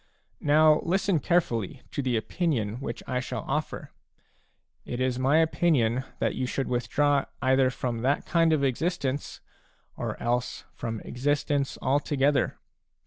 Now listen carefully to the opinion which I shall offer; it is my opinion that you should withdraw either from that kind of existence, or else from ex istence altogether.